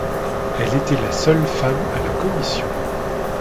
Elle était la seule femme à la commission.